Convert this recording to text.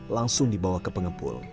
langsung dibawa ke pengepul